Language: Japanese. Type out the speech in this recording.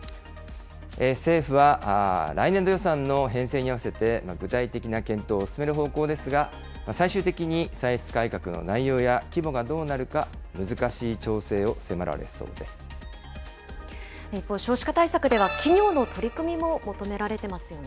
政府は来年度予算の編成に合わせて具体的な検討を進める方向ですが、最終的に歳出改革の内容や規模がどうなるか、難しい調整を迫一方、少子化対策では、企業の取り組みも求められてますよね。